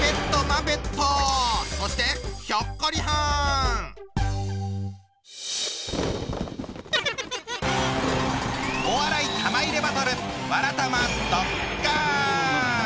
そしてお笑い玉入れバトル